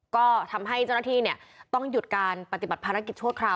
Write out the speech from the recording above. ก็ทำให้เจ้าหน้าที่ต้องหยุดการปฏิบัติภารกิจชั่วคราว